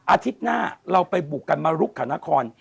อาทิตย์หน้าเราไปบุกกันมาลุกขานคร